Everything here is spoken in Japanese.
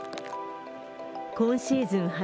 今シーズン